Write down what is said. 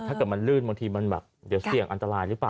ถ้าเกิดมันลื่นบางทีมันแบบเดี๋ยวเสี่ยงอันตรายหรือเปล่า